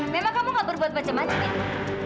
memang kamu nggak berbuat macem macem edo